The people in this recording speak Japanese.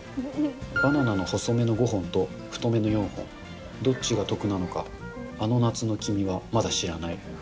バナナの細めの５本と太めの４本、どっちが得なのか、あの夏の君はまだ知らない。